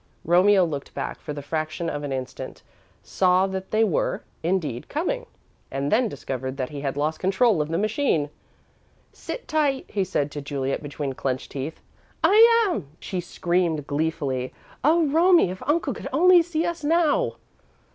Romeo looked back for the fraction of an instant, saw that they were, indeed, "coming," and then discovered that he had lost control of the machine. "Sit tight," he said, to Juliet, between clenched teeth. "I am," she screamed, gleefully. "Oh, Romie, if uncle could only see us now!"